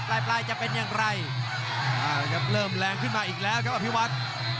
ปลายจะเป็นอย่างไรเริ่มแรงขึ้นมาอีกแล้วครับอภิวัต